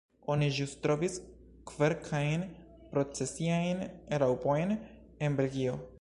Oni ĵus trovis kverkajn procesiajn raŭpojn en Belgio.